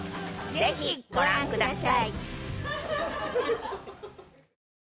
ぜひご覧ください。